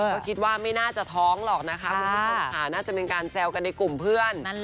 ก็คิดว่าไม่น่าจะท้องหรอกนะคะคุณผู้ชมค่ะน่าจะเป็นการแซวกันในกลุ่มเพื่อน